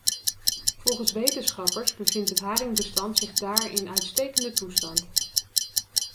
Volgens wetenschappers bevindt het haringbestand zich daar in een uitstekende toestand.